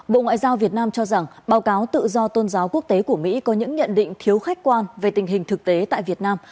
bộ ngoại giao việt nam cho rằng báo cáo tự do tôn giáo quốc tế của mỹ có những nhận định thiếu khách quan về tình hình thực tế tại việt nam